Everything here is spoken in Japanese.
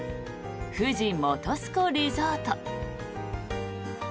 富士本栖湖リゾート。